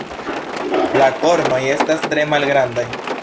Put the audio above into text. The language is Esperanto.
La kornoj estas tre malgrandaj.